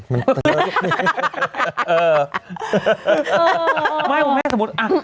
พูดฟัง